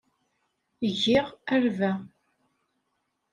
Giɣ arba.